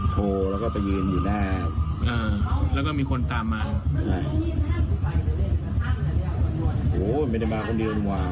จะหาสิ่งที่จะขอความรับบุกข้ามันไม่ที่ไป